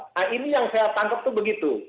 nah ini yang saya tangkap itu begitu